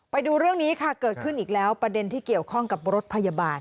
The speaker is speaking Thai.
ไปดูเรื่องนี้ค่ะเกิดขึ้นอีกแล้วประเด็นที่เกี่ยวข้องกับรถพยาบาล